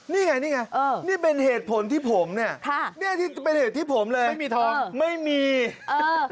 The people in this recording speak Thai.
นี่ไงนี่เป็นเหตุผลที่ผมนี่นี่เป็นเหตุที่ผมเลยไม่มีท้อง